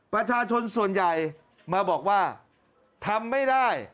ประชาชนส่วนใหญ่มาบอกว่าทำไม่ได้